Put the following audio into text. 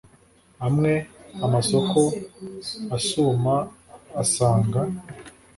Amwe amasoko asuma asanga.